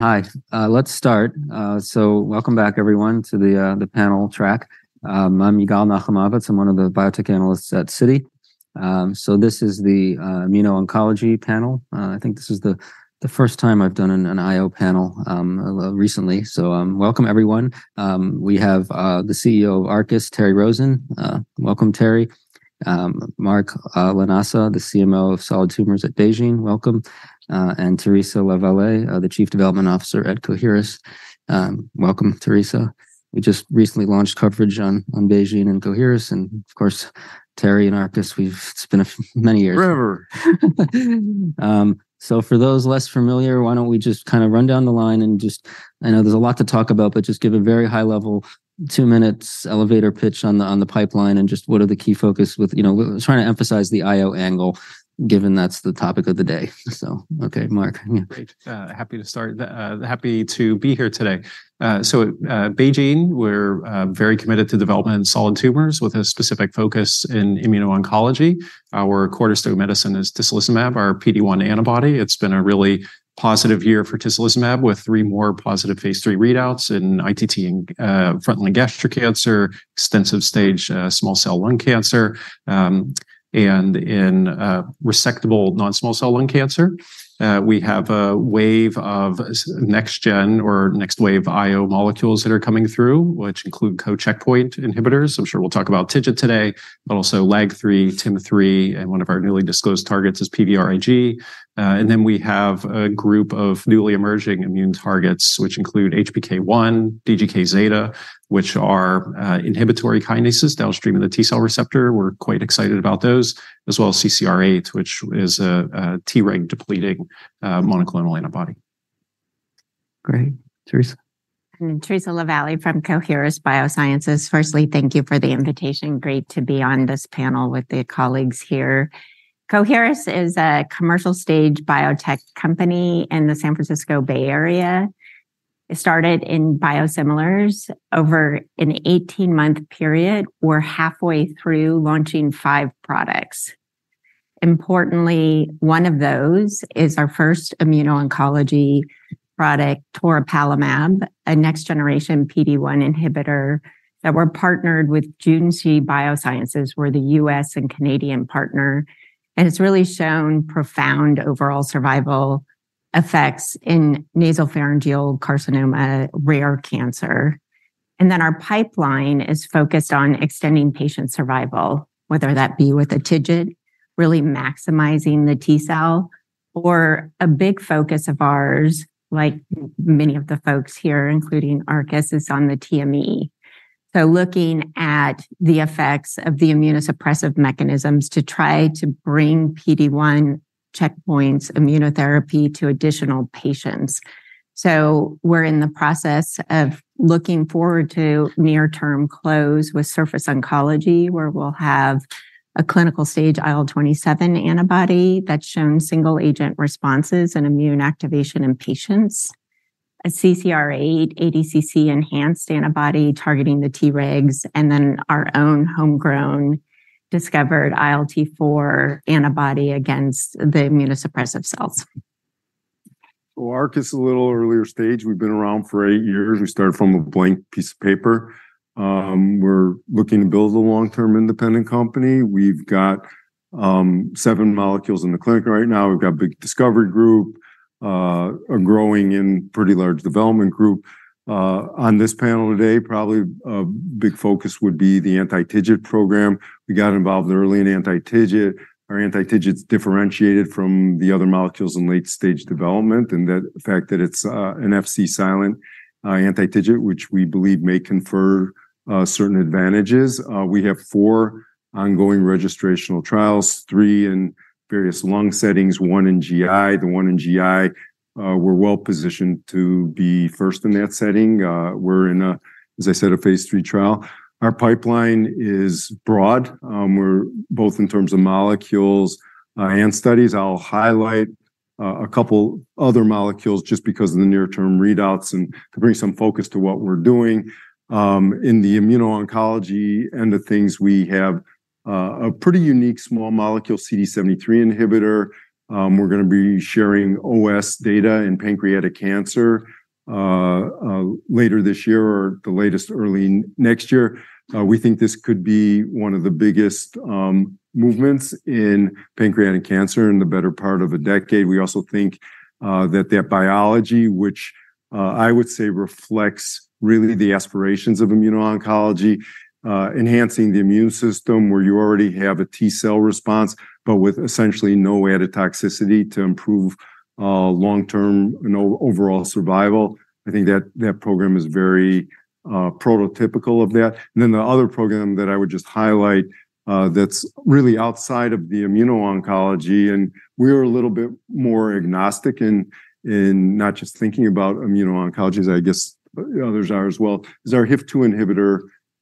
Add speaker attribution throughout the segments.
Speaker 1: Hi, let's start. So welcome back, everyone, to the panel track. I'm Yigal Nochomovitz. I'm one of the biotech analysts at Citi. So this is the Immuno-Oncology panel. I think this is the first time I've done an IO panel recently, so welcome everyone. We have the CEO of Arcus, Terry Rosen. Welcome, Terry. Mark Lanasa, the CMO of Solid Tumors at BeiGene, welcome. And Theresa LaVallee, the Chief Development Officer at Coherus. Welcome, Theresa. We just recently launched coverage on BeiGene and Coherus, and of course, Terry and Arcus, we've... It's been a f- many years.
Speaker 2: Forever!
Speaker 1: So, for those less familiar, why don't we just kind of run down the line and just I know there's a lot to talk about, but just give a very high level, two minutes elevator pitch on the pipeline, and just what are the key focus with, you know, trying to emphasize the IO angle, given that's the topic of the day. So, okay, Mark.
Speaker 3: Happy to start. Happy to be here today. So at BeiGene, we're very committed to development in solid tumors, with a specific focus in Immuno-Oncology. Our cornerstone medicine is tislelizumab, our PD-1 antibody. It's been a really positive year for tislelizumab, with three more positive phase III readouts in ITT and front-line gastric cancer, extensive stage small cell lung cancer, and in resectable non-small cell lung cancer. We have a wave of next gen or next wave IO molecules that are coming through, which include co-checkpoint inhibitors. I'm sure we'll talk about TIGIT today, but also LAG-3, TIM-3, and one of our newly disclosed targets is PVRIG. And then we have a group of newly emerging immune targets, which include HPK1, DGK-zeta, which are inhibitory kinases downstream of the T cell receptor. We're quite excited about those, as well as CCR8, which is a Treg depleting monoclonal antibody.
Speaker 1: Great. Theresa?
Speaker 4: I'm Theresa LaVallee from Coherus BioSciences. Firstly, thank you for the invitation. Great to be on this panel with the colleagues here. Coherus is a commercial stage biotech company in the San Francisco Bay Area. It started in biosimilars. Over an 18-month period, we're halfway through launching five products. Importantly, one of those is our first Immuno-Oncology product, toripalimab, a next generation PD-1 inhibitor, that we're partnered with Junshi Biosciences, we're the U.S. and Canadian partner. It's really shown profound overall survival effects in nasopharyngeal carcinoma, rare cancer. Our pipeline is focused on extending patient survival, whether that be with a TIGIT, really maximizing the T cell, or a big focus of ours, like many of the folks here, including Arcus, is on the TME. Looking at the effects of the immunosuppressive mechanisms to try to bring PD-1 checkpoints immunotherapy to additional patients. We're in the process of looking forward to near-term close with Surface Oncology, where we'll have a clinical stage IL-27 antibody that's shown single agent responses and immune activation in patients, a CCR8 ADCC-enhanced antibody targeting the Tregs, and then our own homegrown discovered ILT-4 antibody against the immunosuppressive cells.
Speaker 2: Well, Arcus is a little earlier stage. We've been around for eight years. We started from a blank piece of paper. We're looking to build a long-term independent company. We've got seven molecules in the clinic right now. We've got a big discovery group, a growing and pretty large development group. On this panel today, probably a big focus would be the anti-TIGIT program. We got involved early in anti-TIGIT. Our anti-TIGIT's differentiated from the other molecules in late-stage development, and the fact that it's an Fc silent anti-TIGIT, which we believe may confer certain advantages. We have four ongoing registrational trials, three in various lung settings, one in GI. The one in GI, we're well-positioned to be first in that setting. We're in a, as I said, a phase III trial. Our pipeline is broad, we're both in terms of molecules and studies. I'll highlight a couple other molecules just because of the near-term readouts and to bring some focus to what we're doing. In the Immuno-Oncology end of things, we have a pretty unique small molecule CD73 inhibitor. We're gonna be sharing OS data in pancreatic cancer later this year, or the latest, early next year. We think this could be one of the biggest movements in pancreatic cancer in the better part of a decade. We also think that that biology, which I would say reflects really the aspirations of Immuno-Oncology, enhancing the immune system where you already have a T cell response, but with essentially no added toxicity to improve long-term and overall survival. I think that that program is very prototypical of that. And then the other program that I would just highlight, that's really outside of the Immuno-Oncology, and we are a little bit more agnostic in not just thinking about Immuno-Oncology, as I guess others are as well, is our HIF-2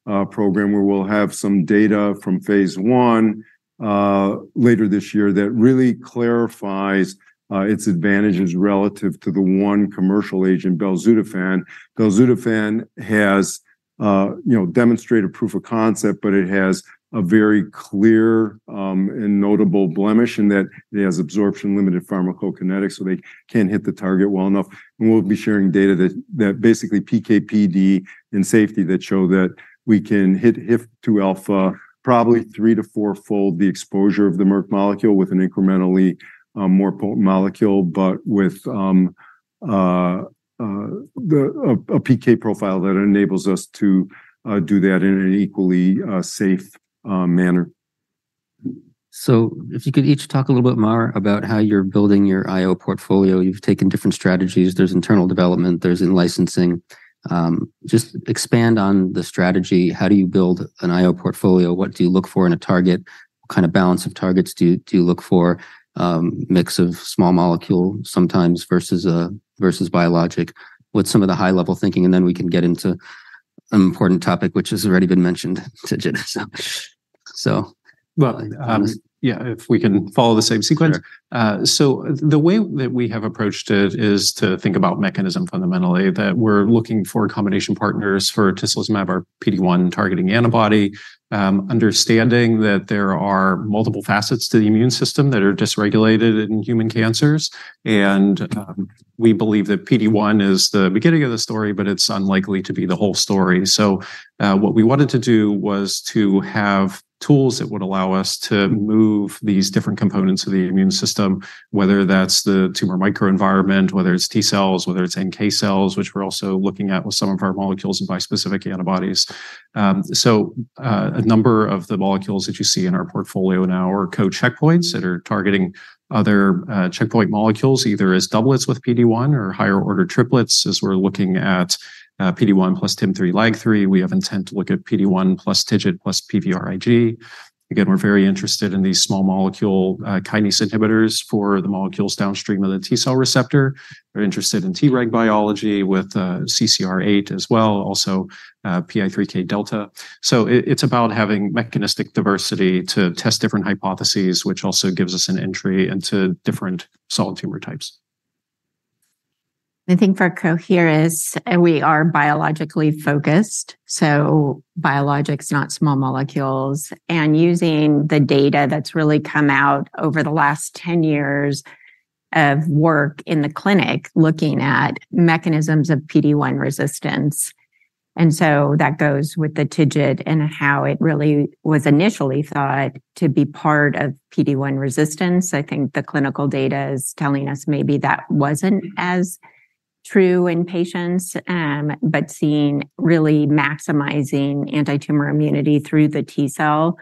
Speaker 2: inhibitor program, where we'll have some data from phase I later this year, that really clarifies its advantages relative to the one commercial agent, belzutifan. Belzutifan has, you know, demonstrated proof of concept, but it has a very clear and notable blemish in that it has absorption-limited pharmacokinetics, so they can't hit the target well enough. We'll be sharing data that basically PK, PD, and safety that show that we can hit HIF-2 alpha, probably three to four fold the exposure of the Merck molecule with an incrementally more potent molecule, but with a PK profile that enables us to do that in an equally safe manner.
Speaker 1: So if you could each talk a little bit more about how you're building your IO portfolio. You've taken different strategies. There's internal development, there's in-licensing. Just expand on the strategy. How do you build an IO portfolio? What do you look for in a target? What kind of balance of targets do you, do you look for, mix of small molecule sometimes versus a, versus biologic? What's some of the high-level thinking? And then we can get into an important topic, which has already been mentioned, TIGIT. So.
Speaker 3: Well, yeah, if we can follow the same sequence. So the way that we have approached it is to think about mechanism fundamentally, that we're looking for combination partners for tislelizumab, our PD-1 targeting antibody. Understanding that there are multiple facets to the immune system that are dysregulated in human cancers, and we believe that PD-1 is the beginning of the story, but it's unlikely to be the whole story. So what we wanted to do was to have tools that would allow us to move these different components of the immune system, whether that's the tumor microenvironment, whether it's T cells, whether it's NK cells, which we're also looking at with some of our molecules and bispecific antibodies. So, a number of the molecules that you see in our portfolio now are co-checkpoints that are targeting other checkpoint molecules, either as doublets with PD-1 or higher order triplets, as we're looking at PD-1 plus TIM-3, LAG-3. We have intent to look at PD-1 plus TIGIT plus PVRIG. Again, we're very interested in these small molecule kinase inhibitors for the molecules downstream of the T cell receptor. We're interested in Treg biology with CCR8 as well, also PI3K delta. So it, it's about having mechanistic diversity to test different hypotheses, which also gives us an entry into different solid tumor types.
Speaker 4: I think for Coherus, and we are biologically focused, so biologics, not small molecules, and using the data that's really come out over the last 10 years of work in the clinic, looking at mechanisms of PD-1 resistance. And so that goes with the TIGIT and how it really was initially thought to be part of PD-1 resistance. I think the clinical data is telling us maybe that wasn't as true in patients, but seeing really maximizing antitumor immunity through the T cell,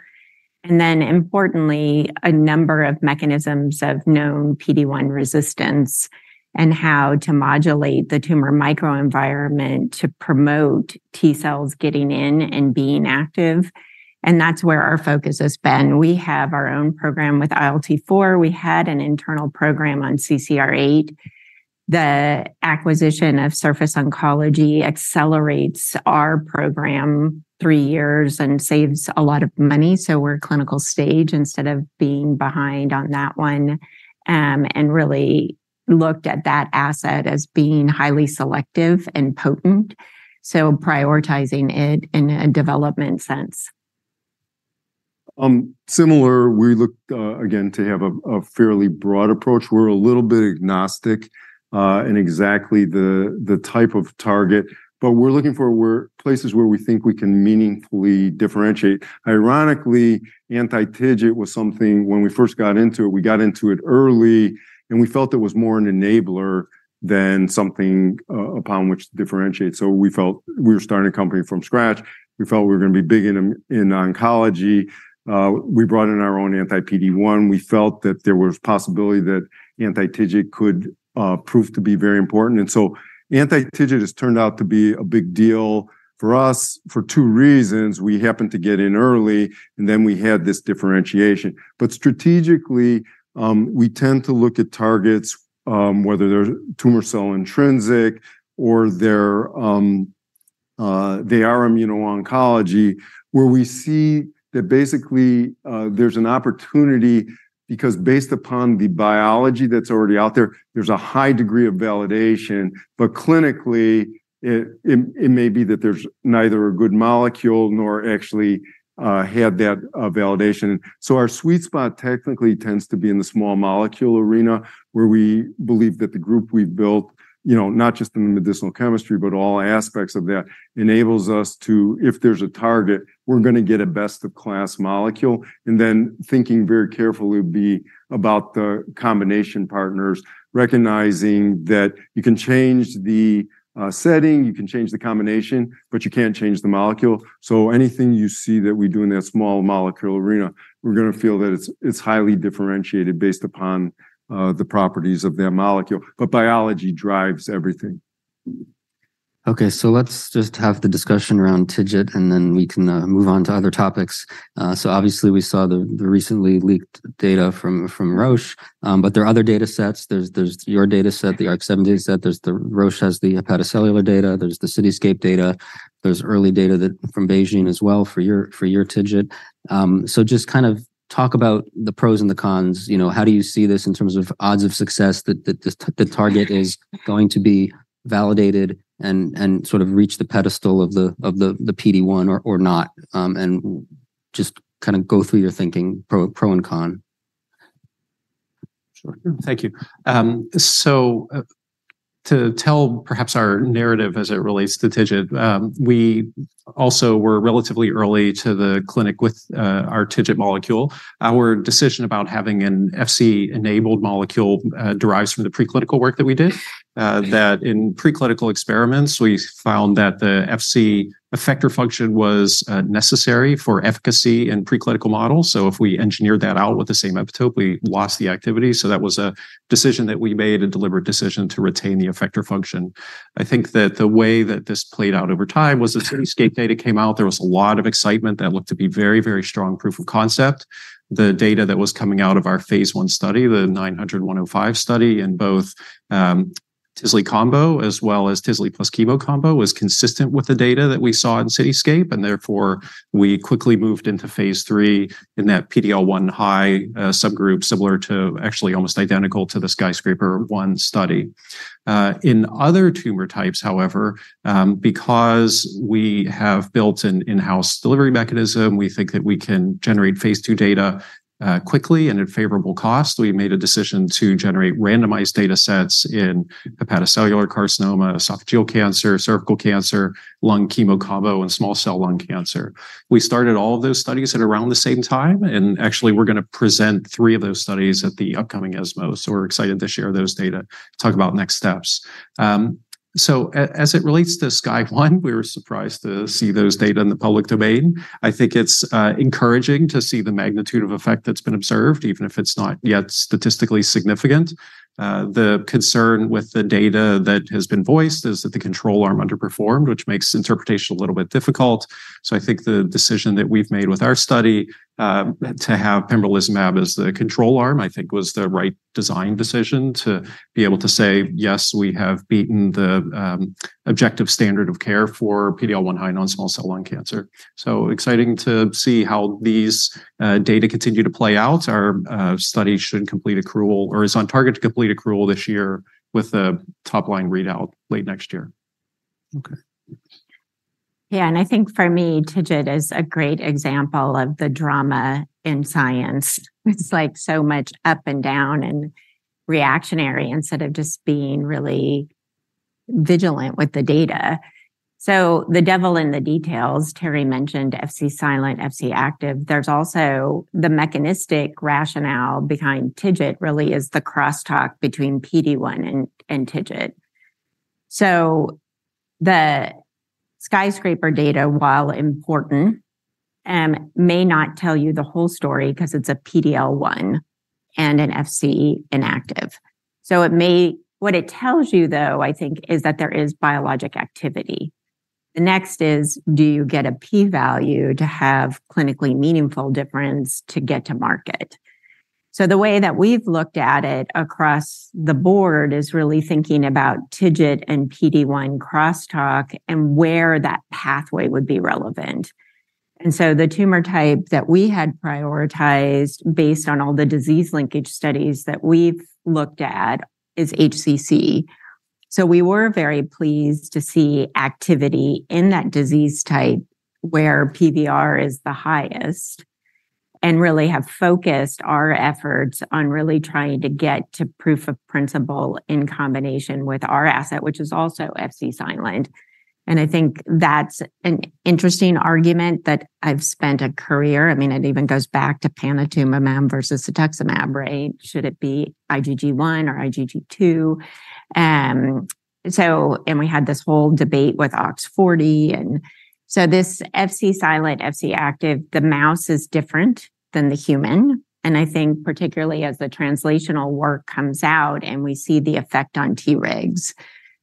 Speaker 4: and then importantly, a number of mechanisms of known PD-1 resistance and how to modulate the tumor microenvironment to promote T cells getting in and being active, and that's where our focus has been. We have our own program with ILT-4. We had an internal program on CCR8. The acquisition of Surface Oncology accelerates our program three years and saves a lot of money, so we're clinical stage instead of being behind on that one, and really looked at that asset as being highly selective and potent, so prioritizing it in a development sense.
Speaker 2: Similar, we look again to have a fairly broad approach. We're a little bit agnostic in exactly the type of target, but we're looking for places where we think we can meaningfully differentiate. Ironically, anti-TIGIT was something when we first got into it. We got into it early, and we felt it was more an enabler than something upon which to differentiate. So we felt we were starting a company from scratch. We felt we were going to be big in oncology. We brought in our own anti-PD-1. We felt that there was possibility that anti-TIGIT could prove to be very important. And so anti-TIGIT has turned out to be a big deal for us for two reasons. We happened to get in early, and then we had this differentiation. But strategically, we tend to look at targets, whether they're tumor cell intrinsic or they're, they are Immuno-Oncology, where we see that basically, there's an opportunity, because based upon the biology that's already out there, there's a high degree of validation. But clinically, it may be that there's neither a good molecule nor actually, have that, validation. So our sweet spot technically tends to be in the small molecule arena, where we believe that the group we've built, you know, not just in the medicinal chemistry, but all aspects of that, enables us to... if there's a target, we're going to get a best-of-class molecule. And then thinking very carefully would be about the combination partners, recognizing that you can change the, setting, you can change the combination, but you can't change the molecule. Anything you see that we do in that small molecule arena, we're going to feel that it's highly differentiated based upon the properties of that molecule, but biology drives everything.
Speaker 1: Okay, so let's just have the discussion around TIGIT, and then we can move on to other topics. So obviously, we saw the recently leaked data from Roche, but there are other data sets. There's your data set, the ARC-7 data set. There's Roche has the hepatocellular data, there's the CITYSCAPE data, there's early data from BeiGene as well for your TIGIT. So just kind of talk about the pros and the cons. You know, how do you see this in terms of odds of success, that the target is going to be validated and sort of reach the pedestal of the PD-1 or not? And just kind of go through your thinking, pro and con.
Speaker 3: Sure. Thank you. So, to tell perhaps our narrative as it relates to TIGIT, we also were relatively early to the clinic with our TIGIT molecule. Our decision about having an Fc-enabled molecule derives from the preclinical work that we did, that in preclinical experiments, we found that the Fc effector function was necessary for efficacy in preclinical models. So if we engineered that out with the same epitope, we lost the activity, so that was a decision that we made, a deliberate decision to retain the effector function. I think that the way that this played out over time was as the CITYSCAPE data came out, there was a lot of excitement that looked to be very, very strong proof of concept. The data that was coming out of our phase I study, the AdvanTIG-105 study, in both, Tisle combo, as well as Tisle plus chemo combo, was consistent with the data that we saw in CITYSCAPE, and therefore, we quickly moved into phase III in that PD-L1 high, subgroup, similar to actually almost identical to the SKYSCRAPER-01 study. In other tumor types, however, because we have built an in-house delivery mechanism, we think that we can generate phase II data, quickly and at favorable cost. We made a decision to generate randomized data sets in hepatocellular carcinoma, esophageal cancer, cervical cancer, lung chemo combo, and small cell lung cancer. We started all of those studies at around the same time, and actually, we're gonna present three of those studies at the upcoming ESMO. So we're excited to share those data, talk about next steps. So as it relates to SKYSCRAPER-01, we were surprised to see those data in the public domain. I think it's encouraging to see the magnitude of effect that's been observed, even if it's not yet statistically significant. The concern with the data that has been voiced is that the control arm underperformed, which makes interpretation a little bit difficult. So I think the decision that we've made with our study to have pembrolizumab as the control arm, I think, was the right design decision to be able to say, "Yes, we have beaten the objective standard of care for PD-L1-high non-small cell lung cancer." So exciting to see how these data continue to play out. Our study should complete accrual or is on target to complete accrual this year, with a top-line readout late next year. Okay.
Speaker 4: Yeah, and I think for me, TIGIT is a great example of the drama in science. It's like so much up and down and reactionary, instead of just being really vigilant with the data. So the devil in the details, Terry mentioned Fc silent, Fc active. There's also the mechanistic rationale behind TIGIT, really is the crosstalk between PD-1 and, and TIGIT. So the SKYSCRAPER data, while important, may not tell you the whole story because it's a PD-L1 and an Fc inactive. So it may... What it tells you, though, I think, is that there is biologic activity. The next is, do you get a P value to have clinically meaningful difference to get to market? So the way that we've looked at it across the board is really thinking about TIGIT and PD-1 crosstalk and where that pathway would be relevant. So the tumor type that we had prioritized based on all the disease linkage studies that we've looked at is HCC. So we were very pleased to see activity in that disease type, where PVR is the highest, and really have focused our efforts on really trying to get to proof of principle in combination with our asset, which is also Fc silent. I think that's an interesting argument that I've spent a career. I mean, it even goes back to panitumumab versus cetuximab, right? Should it be IgG1 or IgG2? And we had this whole debate with OX40 and so this Fc silent, Fc active, the mouse is different than the human. I think particularly as the translational work comes out and we see the effect on Tregs,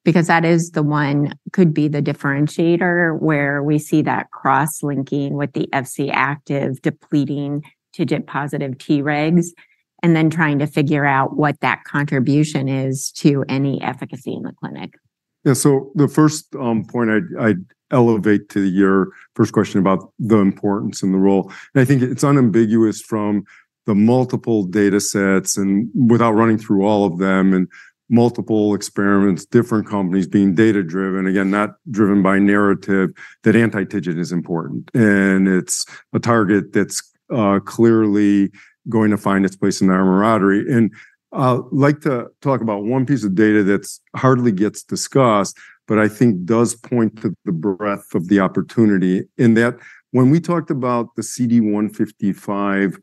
Speaker 4: because that is the one could be the differentiator, where we see that cross-linking with the Fc active, depleting TIGIT-positive Tregs, and then trying to figure out what that contribution is to any efficacy in the clinic.
Speaker 2: Yeah, so the first point I'd elevate to your first question about the importance and the role, and I think it's unambiguous from the multiple data sets and without running through all of them, and multiple experiments, different companies being data-driven, again, not driven by narrative, that anti-TIGIT is important. And it's a target that's clearly going to find its place in the armamentarium. And I'd like to talk about one piece of data that's hardly gets discussed, but I think does point to the breadth of the opportunity in that when we talked about the CD155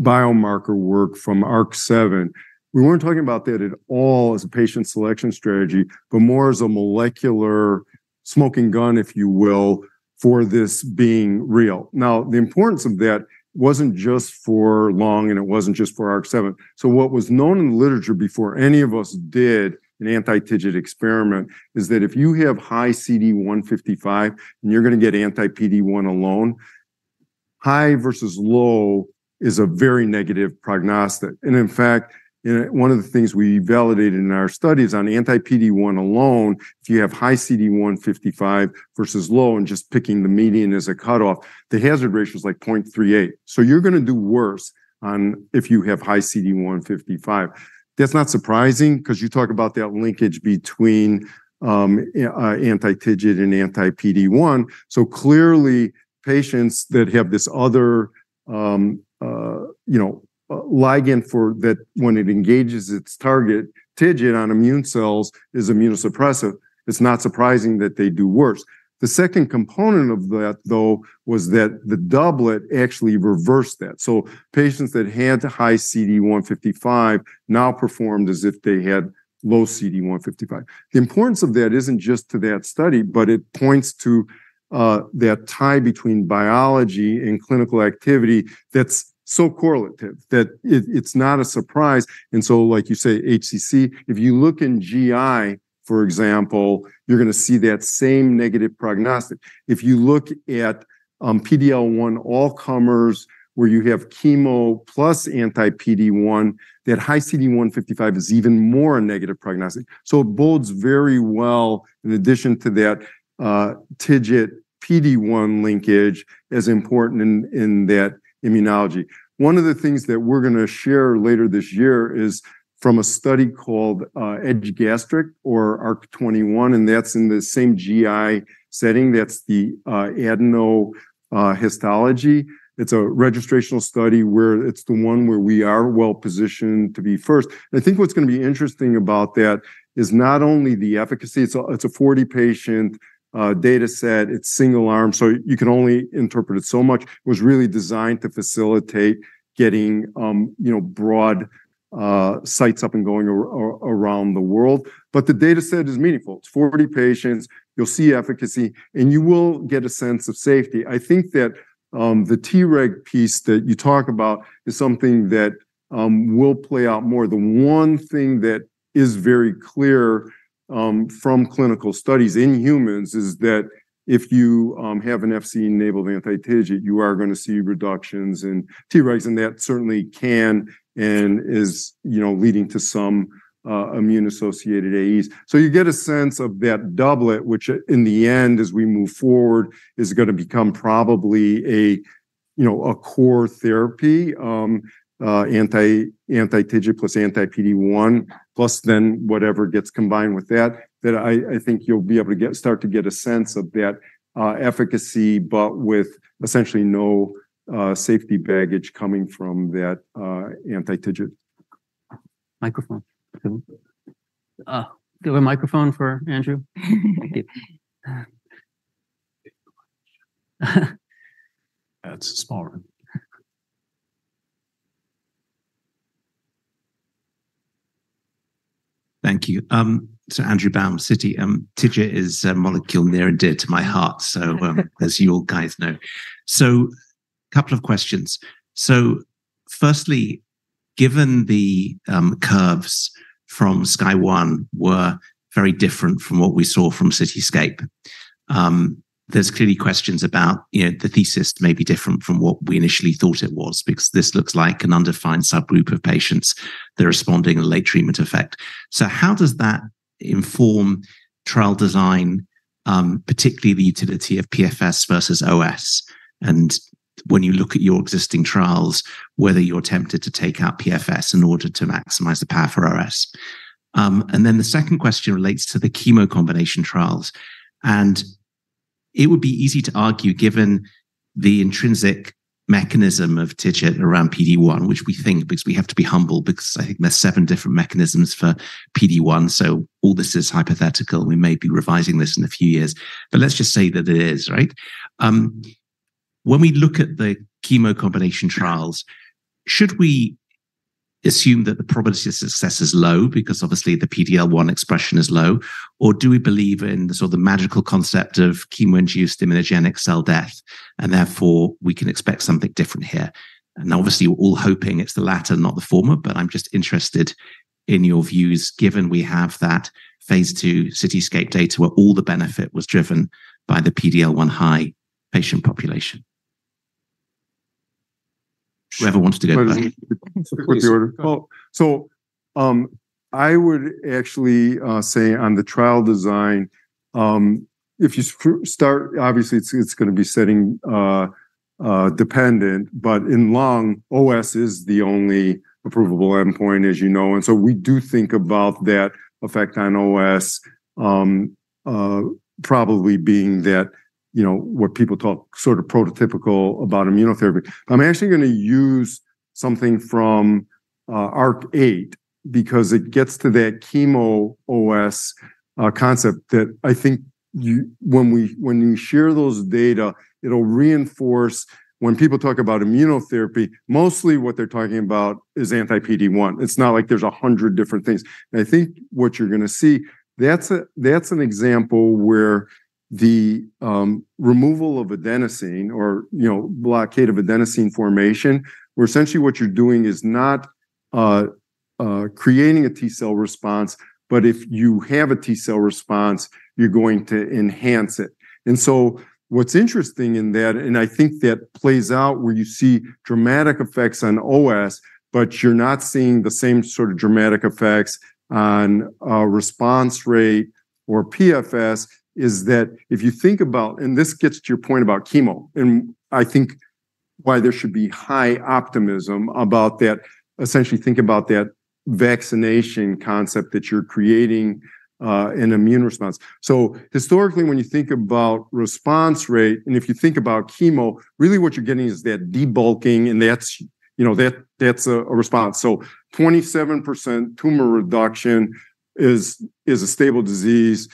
Speaker 2: biomarker work from ARC-7, we weren't talking about that at all as a patient selection strategy, but more as a molecular smoking gun, if you will, for this being real. Now, the importance of that wasn't just for lung, and it wasn't just for ARC-7. So what was known in the literature before any of us did an anti-TIGIT experiment is that if you have high CD155 and you're gonna get anti-PD-1 alone, high versus low is a very negative prognostic. And in fact, you know, one of the things we validated in our studies on anti-PD-1 alone, if you have high CD155 versus low and just picking the median as a cutoff, the hazard ratio is like 0.38. So you're gonna do worse if you have high CD155. That's not surprising because you talk about that linkage between anti-TIGIT and anti-PD-1. So clearly, patients that have this other ligand for that when it engages its target, TIGIT on immune cells is immunosuppressive, it's not surprising that they do worse. The second component of that, though, was that the doublet actually reversed that. So patients that had high CD155 now performed as if they had low CD155. The importance of that isn't just to that study, but it points to that tie between biology and clinical activity that's so correlative that it, it's not a surprise. And so, like you say, HCC, if you look in GI, for example, you're gonna see that same negative prognostic. If you look at PD-L1 all comers, where you have chemo plus anti-PD-1, that high CD155 is even more a negative prognostic. So it bodes very well in addition to that, TIGIT PD-1 linkage is important in that immunology. One of the things that we're gonna share later this year is from a study called EDGE-Gastric or ARC-21, and that's in the same GI setting. That's the adenocarcinoma histology. It's a registrational study where it's the one where we are well positioned to be first. And I think what's gonna be interesting about that is not only the efficacy, it's a 40-patient data set. It's single arm, so you can only interpret it so much. It was really designed to facilitate getting, you know, broad sites up and going around the world, but the data set is meaningful. It's 40 patients, you'll see efficacy, and you will get a sense of safety. I think that the Treg piece that you talk about is something that will play out more. The one thing that is very clear, from clinical studies in humans is that if you, have an Fc-enabled anti-TIGIT, you are gonna see reductions in Tregs, and that certainly can and is, you know, leading to some, immune-associated AEs. So you get a sense of that doublet, which in the end, as we move forward, is gonna become probably a, you know, a core therapy, anti-TIGIT plus anti-PD-1, plus then whatever gets combined with that, that I, I think you'll be able to start to get a sense of that, efficacy, but with essentially no, safety baggage coming from that, anti-TIGIT.
Speaker 5: Thank you. So Andrew Baum, Citi. TIGIT is a molecule near and dear to my heart, so, as you all guys know. So a couple of questions. So firstly, given the curves from SKYSCRAPER-01 were very different from what we saw from CITYSCAPE, there's clearly questions about, you know, the thesis may be different from what we initially thought it was, because this looks like an undefined subgroup of patients that are responding a late treatment effect. So how does that inform trial design, particularly the utility of PFS versus OS? And when you look at your existing trials, whether you're tempted to take out PFS in order to maximize the path for OS. And then the second question relates to the chemo combination trials, and it would be easy to argue, given the intrinsic mechanism of TIGIT around PD-1, which we think, because we have to be humble, because I think there are seven different mechanisms for PD-1, so all this is hypothetical, and we may be revising this in a few years. But let's just say that it is, right? When we look at the chemo combination trials, should we assume that the probability of success is low because obviously the PD-L1 expression is low, or do we believe in the sort of magical concept of chemo-induced immunogenic cell death, and therefore, we can expect something different here? Obviously, we're all hoping it's the latter, not the former, but I'm just interested in your views, given we have that phase II CITYSCAPE data where all the benefit was driven by the PD-L1-high patient population. Whoever wants to go first.
Speaker 2: Well, so, I would actually say on the trial design, if you start, obviously, it's, it's gonna be setting dependent, but in lung, OS is the only approvable endpoint, as you know, and so we do think about that effect on OS, probably being that, you know, what people talk sort of prototypical about immunotherapy. I'm actually gonna use something from ARC-8 because it gets to that chemo OS concept that I think you-- when we, when you share those data, it'll reinforce when people talk about immunotherapy, mostly what they're talking about is anti-PD-1. It's not like there's 100 different things. And I think what you're gonna see, that's an example where the removal of adenosine or, you know, blockade of adenosine formation, where essentially what you're doing is not creating a T cell response, but if you have a T cell response, you're going to enhance it. And so what's interesting in that, and I think that plays out where you see dramatic effects on OS, but you're not seeing the same sort of dramatic effects on response rate or PFS, is that if you think about... and this gets to your point about chemo, and I think why there should be high optimism about that, essentially think about that vaccination concept that you're creating, an immune response. So historically, when you think about response rate, and if you think about chemo, really what you're getting is that debulking, and that's, you know, that, that's a, a response. So 27% tumor reduction is, is a stable disease,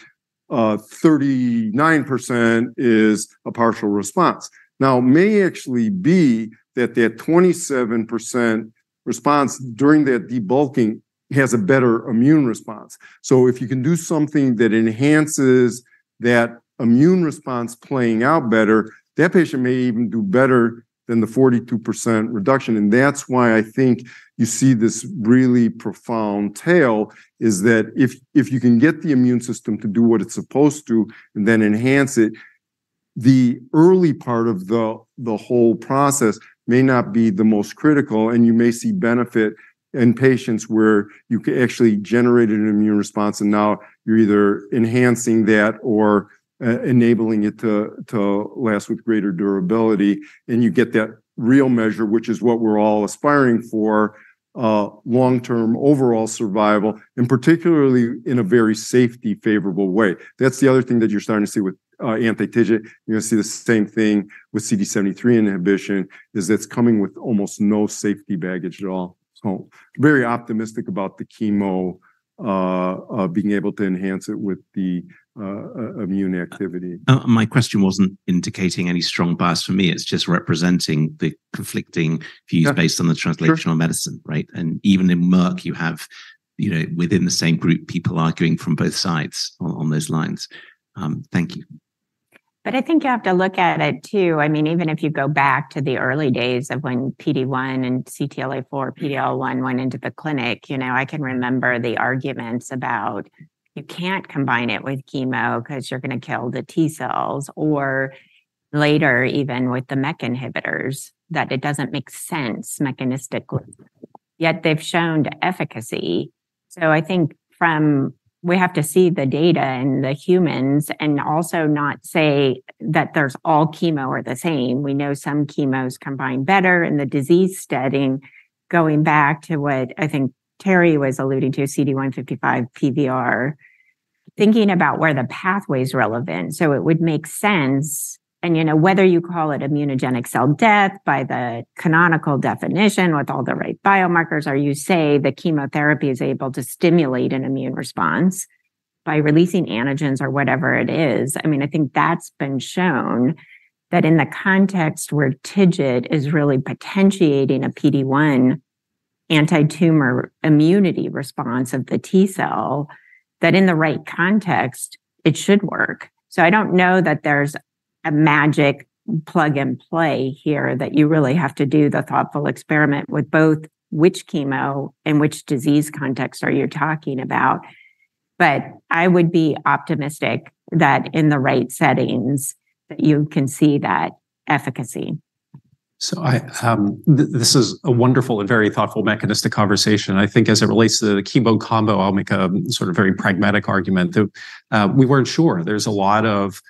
Speaker 2: 39% is a partial response. Now, it may actually be that the 27% response during that debulking has a better immune response. So if you can do something that enhances that immune response playing out better, that patient may even do better than the 42% reduction. And that's why I think you see this really profound tale, is that if you can get the immune system to do what it's supposed to and then enhance it, the early part of the whole process may not be the most critical, and you may see benefit in patients where you can actually generate an immune response, and now you're either enhancing that or enabling it to last with greater durability. And you get that real measure, which is what we're all aspiring for, long-term overall survival, and particularly in a very safety favorable way. That's the other thing that you're starting to see with anti-TIGIT. You're gonna see the same thing with CD73 inhibition, is it's coming with almost no safety baggage at all. So very optimistic about the chemo being able to enhance it with the immune activity.
Speaker 5: My question wasn't indicating any strong bias for me. It's just representing the conflicting views based on the translational medicine, right? And even in Merck, you have, you know, within the same group, people arguing from both sides on those lines. Thank you.
Speaker 4: But I think you have to look at it, too. I mean, even if you go back to the early days of when PD-1 and CTLA-4, PD-L1 went into the clinic, you know, I can remember the arguments about you can't combine it with chemo 'cause you're gonna kill the T cells, or later, even with the MEK inhibitors, that it doesn't make sense mechanistically, yet they've shown efficacy. So I think from... we have to see the data in the humans and also not say that there's all chemo are the same. We know some chemos combine better in the disease setting. Going back to what I think Terry was alluding to, CD155 PVR, thinking about where the pathway is relevant, so it would make sense. You know, whether you call it immunogenic cell death by the canonical definition, with all the right biomarkers, or you say the chemotherapy is able to stimulate an immune response by releasing antigens or whatever it is. I mean, I think that's been shown that in the context where TIGIT is really potentiating a PD-1 anti-tumor immunity response of the T cell, that in the right context, it should work. So I don't know that there's a magic plug-and-play here, that you really have to do the thoughtful experiment with both which chemo and which disease context are you talking about. But I would be optimistic that in the right settings, that you can see that efficacy.
Speaker 3: So I, this is a wonderful and very thoughtful mechanistic conversation. I think as it relates to the chemo combo, I'll make a sort of very pragmatic argument that we weren't sure. There's a lot of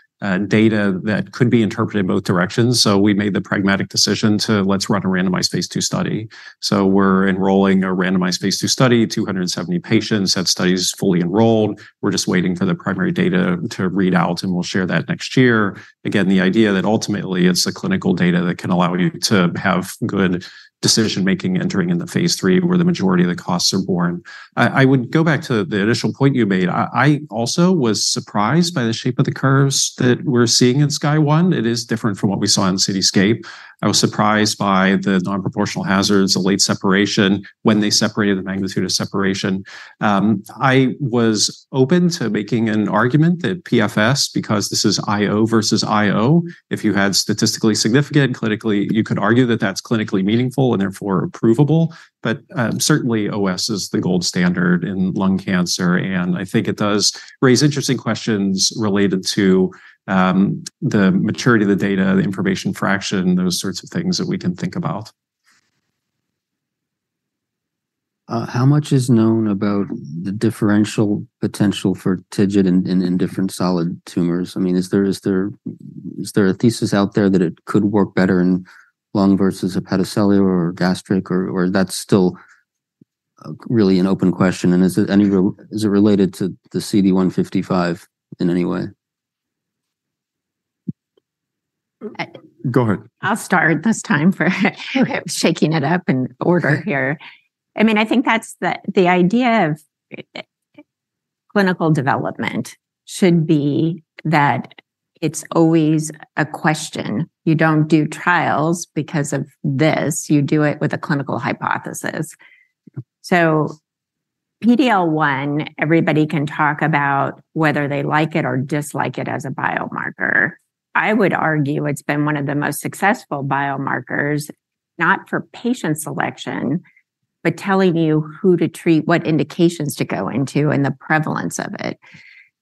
Speaker 3: data that could be interpreted in both directions, so we made the pragmatic decision to let's run a randomized phase II study. So we're enrolling a randomized phase II study, 270 patients. That study is fully enrolled. We're just waiting for the primary data to read out, and we'll share that next year. Again, the idea that ultimately it's the clinical data that can allow you to have good decision-making entering in the phase III, where the majority of the costs are born. I would go back to the initial point you made. I also was surprised by the shape of the curves that we're seeing in SKYSCRAPER-01. It is different from what we saw in CITYSCAPE. I was surprised by the non-proportional hazards, the late separation when they separated the magnitude of separation. I was open to making an argument that PFS, because this is IO versus IO, if you had statistically significant, clinically, you could argue that that's clinically meaningful and therefore approvable. But, certainly OS is the gold standard in lung cancer, and I think it does raise interesting questions related to, the maturity of the data, the information fraction, those sorts of things that we can think about.
Speaker 1: How much is known about the differential potential for TIGIT in different solid tumors? I mean, is there a thesis out there that it could work better in lung versus hepatocellular or gastric, or that's still really an open question? And is it related to the CD155 in any way?
Speaker 2: Go ahead.
Speaker 4: I'll start this time by shaking up the order here. I mean, I think that's the idea of clinical development should be that it's always a question. You don't do trials because of this. You do it with a clinical hypothesis. So PD-L1, everybody can talk about whether they like it or dislike it as a biomarker. I would argue it's been one of the most successful biomarkers, not for patient selection, but telling you who to treat, what indications to go into, and the prevalence of it.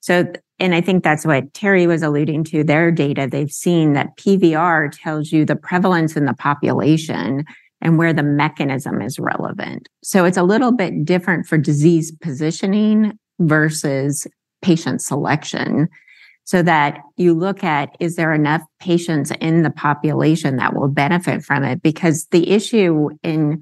Speaker 4: So, and I think that's what Terry was alluding to. Their data, they've seen that PVR tells you the prevalence in the population and where the mechanism is relevant. So it's a little bit different for disease positioning versus patient selection, so that you look at, is there enough patients in the population that will benefit from it? Because the issue in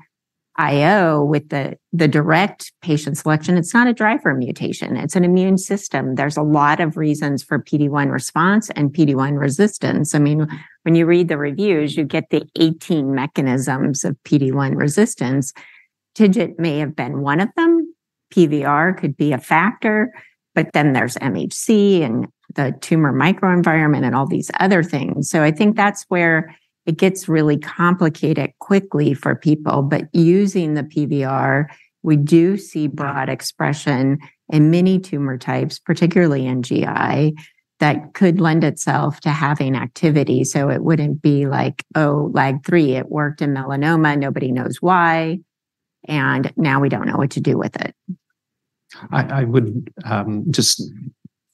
Speaker 4: IO with the direct patient selection, it's not a driver mutation, it's an immune system. There's a lot of reasons for PD-1 response and PD-1 resistance. I mean, when you read the reviews, you get the 18 mechanisms of PD-1 resistance. TIGIT may have been one of them, PVR could be a factor, but then there's MHC and the tumor microenvironment, and all these other things. So I think that's where it gets really complicated quickly for people. But using the PVR, we do see broad expression in many tumor types, particularly in GI, that could lend itself to having activity. So it wouldn't be like, "Oh, LAG-3, it worked in melanoma, nobody knows why, and now we don't know what to do with it.
Speaker 3: I would just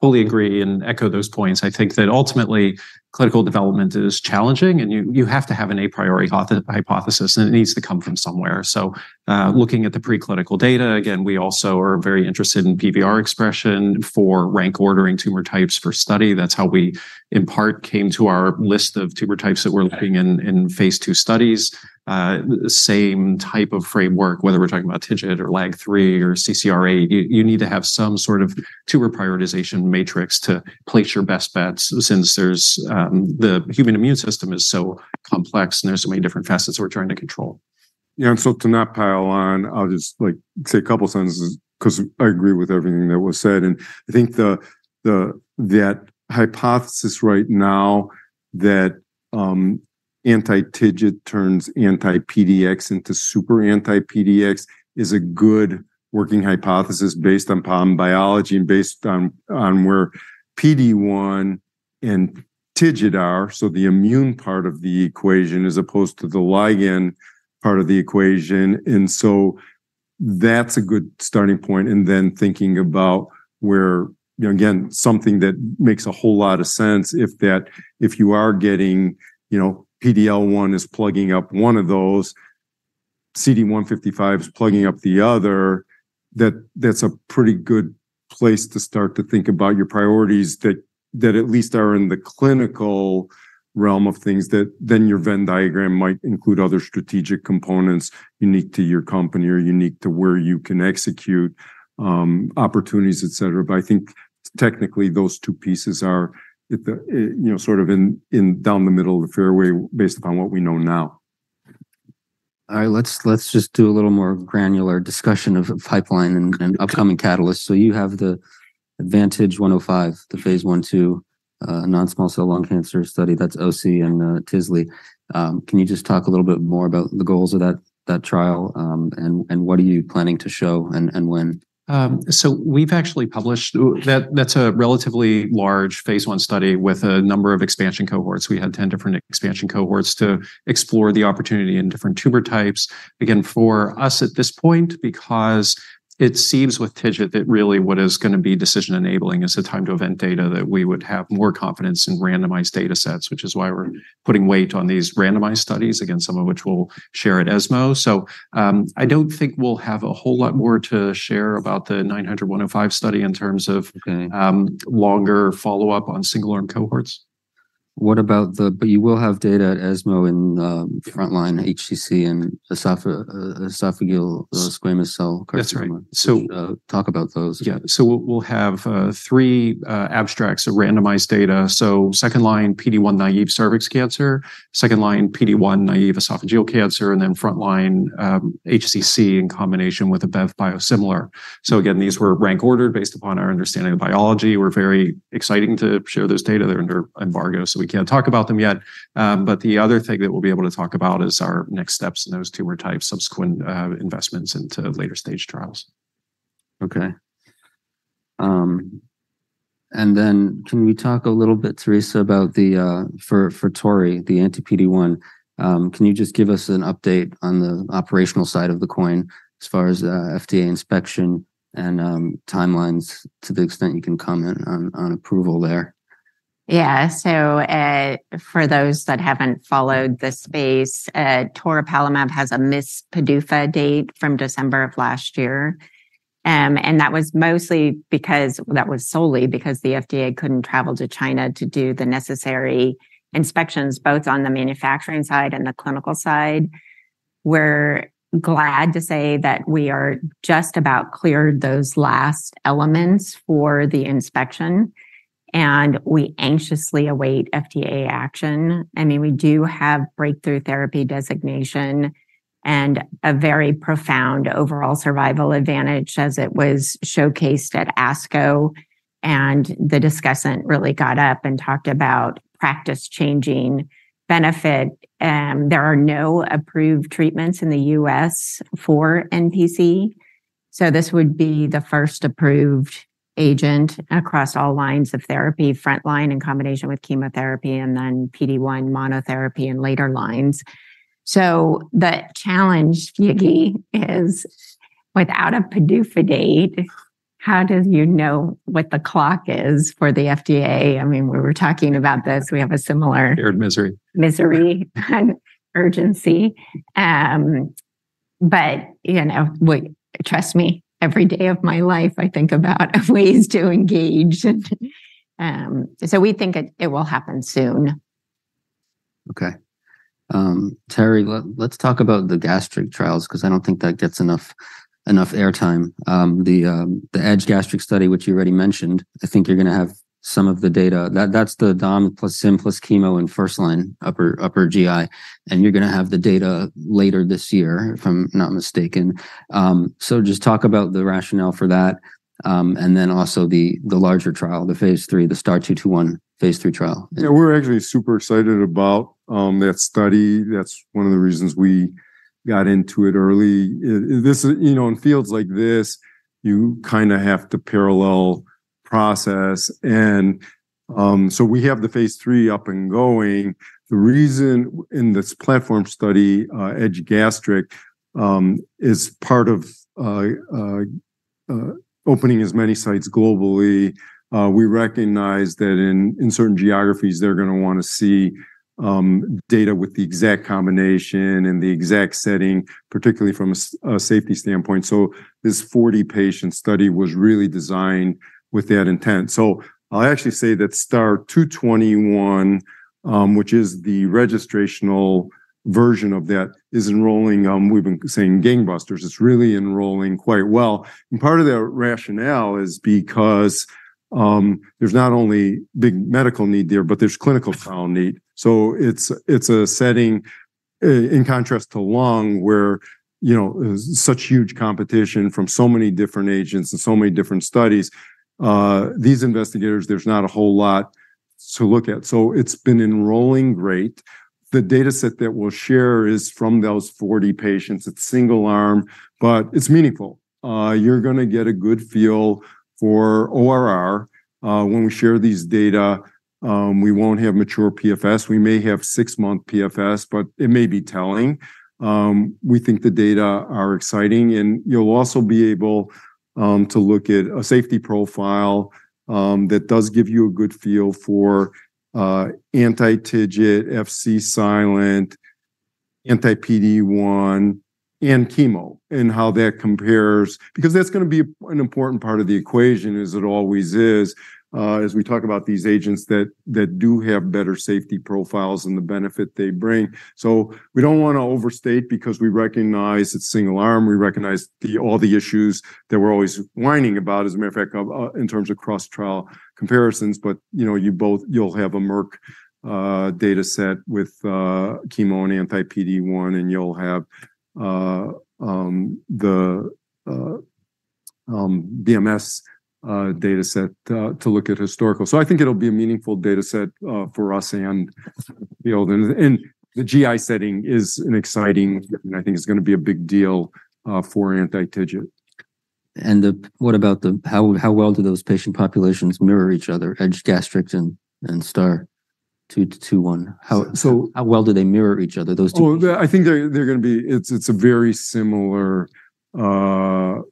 Speaker 3: fully agree and echo those points. I think that ultimately, clinical development is challenging, and you have to have a priori hypothesis, and it needs to come from somewhere. So, looking at the preclinical data, again, we also are very interested in PVR expression for rank ordering tumor types for study. That's how we, in part, came to our list of tumor types that we're looking in, in phase II studies. The same type of framework, whether we're talking about TIGIT or LAG-3 or CCR8, you need to have some sort of tumor prioritization matrix to place your best bets since there's the human immune system is so complex, and there's so many different facets we're trying to control.
Speaker 2: Yeah, so to not pile on, I'll just, like, say a couple sentences 'cause I agree with everything that was said. And I think that hypothesis right now that anti-TIGIT turns anti-PD-1 into super anti-PD-1 is a good working hypothesis based on PD-1 biology and based on where PD-1 and TIGIT are, so the immune part of the equation, as opposed to the ligand part of the equation. And so that's a good starting point, and then thinking about where you know, again, something that makes a whole lot of sense if that, if you are getting, you know, PD-L1 is plugging up one of those, CD155 is plugging up the other, that's a pretty good place to start to think about your priorities, that, that at least are in the clinical realm of things, that then your Venn diagram might include other strategic components unique to your company or unique to where you can execute, opportunities, etcetera. But I think technically, those two pieces are, you know, sort of in, down the middle of the fairway based upon what we know now.
Speaker 1: All right, let's just do a little more granular discussion of pipeline and upcoming catalysts. So you have the AdvanTIG-105, the phase I/II non-small cell lung cancer study. That's Oci and Tisle. Can you just talk a little bit more about the goals of that trial, and what are you planning to show and when?
Speaker 3: We've actually published... That's a relatively large phase I study with a number of expansion cohorts. We had ten different expansion cohorts to explore the opportunity in different tumor types. Again, for us at this point, because it seems with TIGIT that really what is gonna be decision enabling is the time to event data, that we would have more confidence in randomized datasets, which is why we're putting weight on these randomized studies, again, some of which we'll share at ESMO. So, I don't think we'll have a whole lot more to share about the AdvanTIG-105 study in terms of longer follow-up on single-arm cohorts.
Speaker 1: What about, but you will have data at ESMO in the frontline HCC and esophageal squamous cell carcinoma?
Speaker 3: That's right. So-
Speaker 1: Talk about those.
Speaker 3: Yeah. So we'll have three abstracts of randomized data. So second-line PD-1-naive cervix cancer, second-line PD-1-naive esophageal cancer, and then frontline HCC in combination with a bev biosimilar. So again, these were rank ordered based upon our understanding of biology. We're very exciting to share those data. They're under embargo, so we can't talk about them yet. But the other thing that we'll be able to talk about is our next steps in those tumor types, subsequent investments into later-stage trials.
Speaker 1: Okay. Then can we talk a little bit, Theresa, about toripalimab, the anti-PD-1. Can you just give us an update on the operational side of the coin as far as FDA inspection and timelines, to the extent you can comment on approval there?
Speaker 4: Yeah. So, for those that haven't followed the space, toripalimab has a missed PDUFA date from December of last year. And that was mostly because... That was solely because the FDA couldn't travel to China to do the necessary inspections, both on the manufacturing side and the clinical side. We're glad to say that we are just about cleared those last elements for the inspection, and we anxiously await FDA action. I mean, we do have breakthrough therapy designation and a very profound overall survival advantage as it was showcased at ASCO, and the discussant really got up and talked about practice-changing benefit. There are no approved treatments in the U.S. for NPC, so this would be the first approved agent across all lines of therapy, frontline in combination with chemotherapy, and then PD-1 monotherapy in later lines. The challenge, Yigal, is without a PDUFA date, how do you know what the clock is for the FDA? I mean, we were talking about this. We have a similar-
Speaker 3: Shared misery....
Speaker 4: misery, urgency but, you know, we, trust me, every day of my life, I think about ways to engage. And, so we think it will happen soon.
Speaker 1: Okay. Terry, let's talk about the gastric trials, 'cause I don't think that gets enough airtime. The EDGE-Gastric study, which you already mentioned, I think you're gonna have some of the data. That's the dom plus zim plus chemo in first-line, upper GI, and you're gonna have the data later this year, if I'm not mistaken. So just talk about the rationale for that, and then also the larger trial, the phase III, the STAR-221 phase III trial.
Speaker 2: Yeah, we're actually super excited about that study. That's one of the reasons we got into it early. This, you know, in fields like this, you kinda have to parallel process. And so we have the phase III up and going. The reason in this platform study, EDGE-Gastric, is part of opening as many sites globally. We recognize that in certain geographies, they're gonna wanna see data with the exact combination and the exact setting, particularly from a safety standpoint. So this 40-patient study was really designed with that intent. So I'll actually say that STAR-221, which is the registrational version of that, is enrolling. We've been saying gangbusters. It's really enrolling quite well, and part of the rationale is because there's not only big medical need there, but there's clinical trial need. So it's a setting in contrast to lung, where you know there's such huge competition from so many different agents and so many different studies. These investigators, there's not a whole lot to look at, so it's been enrolling great. The dataset that we'll share is from those 40 patients. It's single arm, but it's meaningful. You're gonna get a good feel for ORR. When we share these data, we won't have mature PFS. We may have six-month PFS, but it may be telling. We think the data are exciting, and you'll also be able to look at a safety profile that does give you a good feel for anti-TIGIT, Fc silent, anti-PD-1, and chemo, and how that compares. Because that's gonna be an important part of the equation, as it always is, as we talk about these agents that do have better safety profiles and the benefit they bring. So we don't wanna overstate, because we recognize it's single arm. We recognize all the issues that we're always whining about, as a matter of fact, in terms of cross-trial comparisons. But you know, you'll have a Merck dataset with chemo and anti-PD-1, and you'll have the BMS dataset to look at historical. So I think it'll be a meaningful dataset for us and the field. And the GI setting is an exciting, and I think it's gonna be a big deal for anti-TIGIT.
Speaker 1: How well do those patient populations mirror each other, EDGE-Gastric and STAR-221? How well do they mirror each other, those two?
Speaker 2: Oh, I think they're gonna be... It's a very similar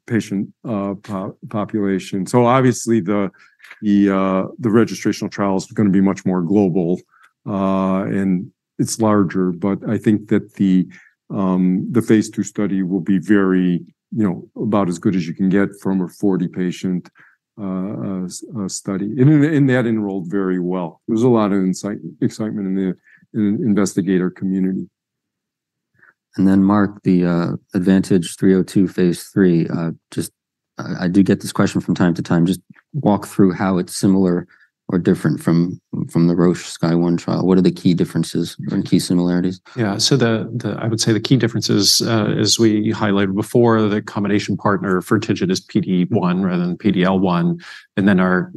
Speaker 2: patient population. So obviously, the registrational trial is gonna be much more global, and it's larger. But I think that the phase II study will be very, you know, about as good as you can get from a 40-patient study. And that enrolled very well. There was a lot of excitement in the investigator community.
Speaker 1: Mark, the AdvanTIG-302 phase III, just I do get this question from time to time. Just walk through how it's similar or different from the Roche SKYSCRAPER-01 trial. What are the key differences and key similarities?
Speaker 3: Yeah, so I would say the key differences, as we highlighted before, the combination partner for TIGIT is PD-1 rather than PD-L1. And then our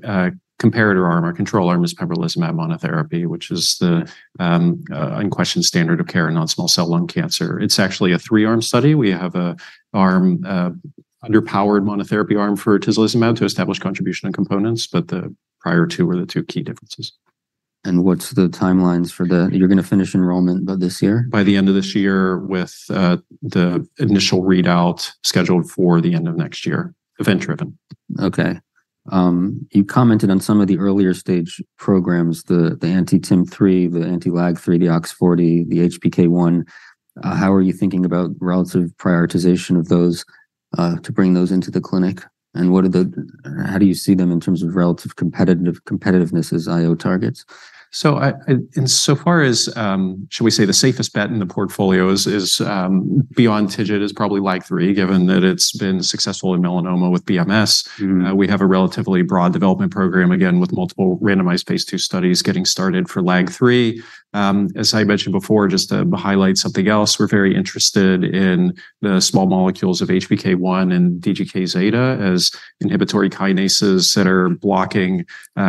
Speaker 3: comparator arm, our control arm, is pembrolizumab monotherapy, which is the unquestioned standard of care in non-small cell lung cancer. It's actually a three-arm study. We have an underpowered monotherapy arm for tislelizumab to establish contribution and components, but the prior two were the two key differences.
Speaker 1: What's the timelines for the...? You're gonna finish enrollment by this year?
Speaker 3: By the end of this year, with the initial readout scheduled for the end of next year, event-driven.
Speaker 1: Okay. You commented on some of the earlier-stage programs, the, the anti-TIM-3, the anti-LAG-3, the OX40, the HPK1. How are you thinking about relative prioritization of those, to bring those into the clinic? And what are the... How do you see them in terms of relative competitive- competitiveness as IO targets?
Speaker 3: So, insofar as, shall we say, the safest bet in the portfolio is, beyond TIGIT, probably LAG-3, given that it's been successful in melanoma with BMS.
Speaker 1: Mm-hmm.
Speaker 3: We have a relatively broad development program, again, with multiple randomized phase II studies getting started for LAG-3. As I mentioned before, just to highlight something else, we're very interested in the small molecules of HPK1 and DGK-zeta as inhibitory kinases that are blocking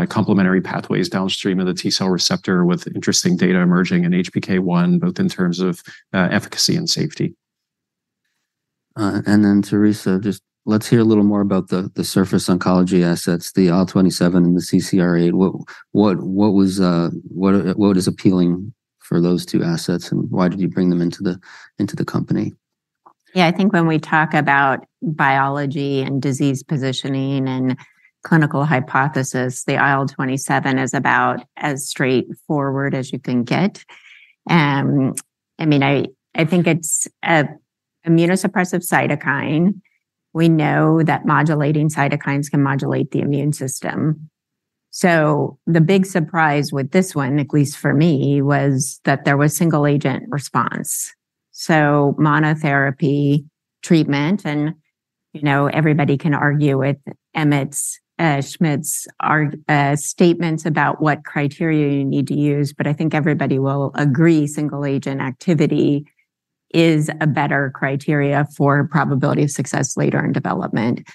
Speaker 3: complementary pathways downstream of the T cell receptor, with interesting data emerging in HPK1, both in terms of efficacy and safety.
Speaker 1: And then, Theresa, just let's hear a little more about the Surface Oncology assets, the IL-27 and the CCR8. What is appealing for those two assets, and why did you bring them into the company?
Speaker 4: Yeah, I think when we talk about biology and disease positioning and clinical hypothesis, the IL-27 is about as straightforward as you can get. I mean, I think it's an immunosuppressive cytokine. We know that modulating cytokines can modulate the immune system. So the big surprise with this one, at least for me, was that there was single agent response. So monotherapy treatment, and, you know, everybody can argue with Emmett Schmidt's statements about what criteria you need to use, but I think everybody will agree single agent activity is a better criteria for probability of success later in development.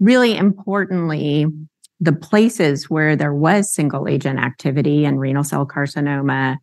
Speaker 4: Really importantly, the places where there was single agent activity in renal cell carcinoma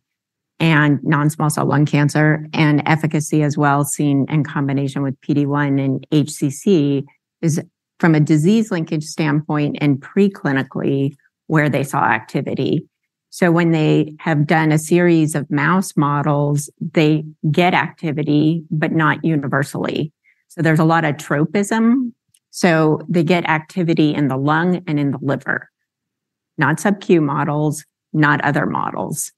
Speaker 4: and non-small cell lung cancer, and efficacy as well seen in combination with PD-1 and HCC, is from a disease linkage standpoint and preclinically where they saw activity. So when they have done a series of mouse models, they get activity, but not universally. So there's a lot of tropism. So they get activity in the lung and in the liver, not subcu models, not other models.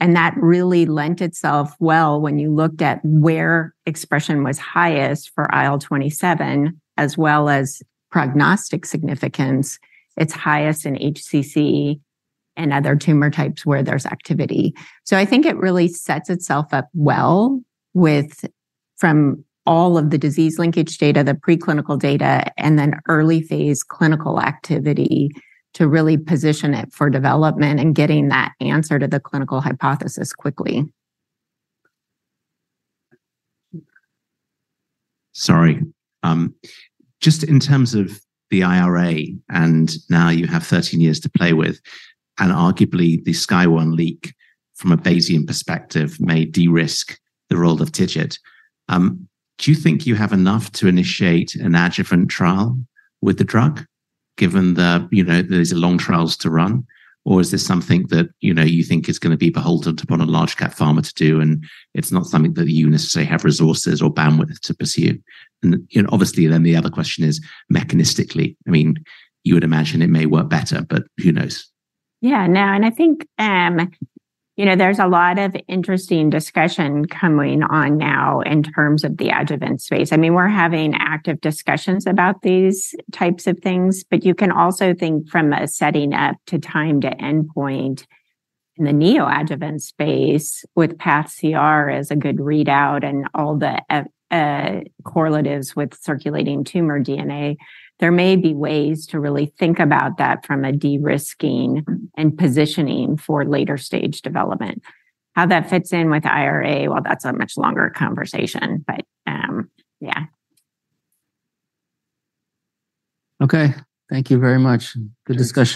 Speaker 4: And that really lent itself well when you looked at where expression was highest for IL-27, as well as prognostic significance. It's highest in HCC and other tumor types where there's activity. So I think it really sets itself up well with, from all of the disease linkage data, the preclinical data, and then early phase clinical activity, to really position it for development and getting that answer to the clinical hypothesis quickly.
Speaker 5: Sorry. Just in terms of the IRA, and now you have 13 years to play with, and arguably the SKYSCRAPER-01 leak, from a Bayesian perspective, may de-risk the role of TIGIT. Do you think you have enough to initiate an adjuvant trial with the drug, given that, you know, these are long trials to run? Or is this something that, you know, you think is gonna be beholden upon a large cap pharma to do, and it's not something that you necessarily have resources or bandwidth to pursue? And, you know, obviously, then the other question is mechanistically. I mean, you would imagine it may work better, but who knows?
Speaker 4: Yeah. No, and I think, you know, there's a lot of interesting discussion coming on now in terms of the adjuvant space. I mean, we're having active discussions about these types of things, but you can also think from a setting up to time to endpoint in the neoadjuvant space, with pathCR as a good readout and all the, correlatives with circulating tumor DNA. There may be ways to really think about that from a de-risking and positioning for later stage development. How that fits in with IRA, well, that's a much longer conversation, but, yeah.
Speaker 1: Okay. Thank you very much. Good discussion.